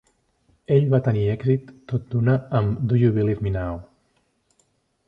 Ell va tenir èxit tot d'una amb Do You Believe Me Now.